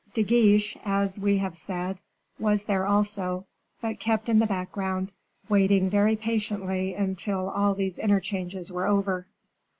De Guiche, as we have said, was there also, but kept in the background, waiting very patiently until all these interchanges were over.